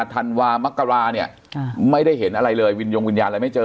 ธันวามกราเนี่ยไม่ได้เห็นอะไรเลยวินยงวิญญาณอะไรไม่เจอ